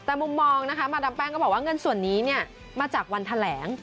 แต่มุมมองนะคะมาดามแป้งก็บอกว่าเงินส่วนนี้เนี่ยมาจากวันแถลง